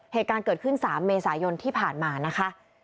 เหตุการณ์เกิดขึ้น๓เมษายนที่ผ่านมานะคะ